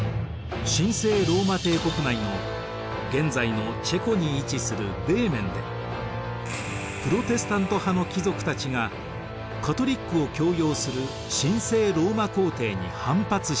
神聖ローマ帝国内の現在のチェコに位置するベーメンでプロテスタント派の貴族たちがカトリックを強要する神聖ローマ皇帝に反発しました。